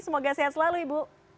semoga sehat selalu ibu